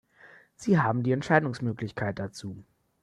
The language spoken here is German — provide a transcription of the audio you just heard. Sie haben die Entscheidungsmöglichkeit dazu.